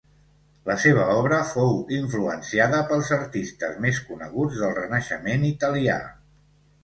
La seva obra fou influenciada pels artistes més coneguts del Renaixement italià.